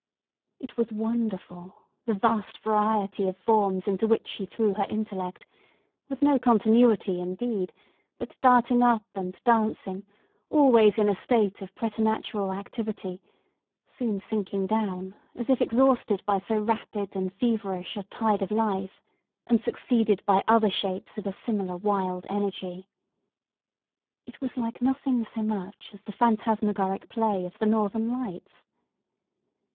It was wonderful, the vast variety of forms into which she threw her intellect, with no continuity, indeed, but darting up and dancing, always in a state of preternatural activity—soon sinking down, as if exhausted by so rapid and feverish a tide of life—and succeeded by other shapes of a similar wild energy. It was like nothing so much as the phantasmagoric play of the northern lights.